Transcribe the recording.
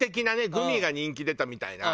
グミが人気出たみたいな。